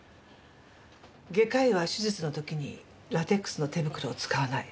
外科医は手術の時にラテックスの手袋を使わない。